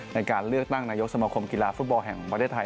ในการเลือกตั้งนายกสมคมกีฬาฟุตบอลแห่งประเทศไทย